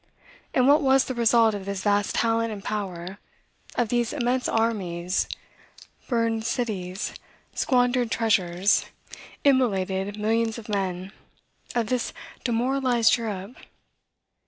And what was the result of this vast talent and power, of these immense armies, burned cities, squandered treasures, immolated millions of men, of this demoralized Europe?